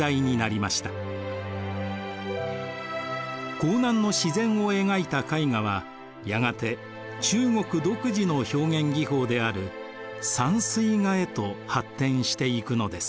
江南の自然を描いた絵画はやがて中国独自の表現技法である山水画へと発展していくのです。